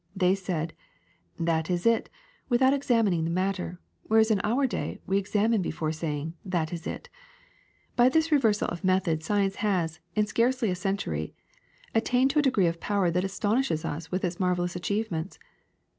They said, 'That is it,' without examining the matter, whereas in our day we examine before saying, ^That is it.' By this re versal of method science has, in scarcely a century, attained to a degree of power that astonishes us with its marvelous achievements.